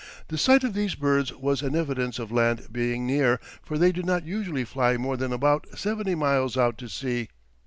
The sight of these birds was an evidence of land being near, for they do not usually fly more than about seventy miles out to sea.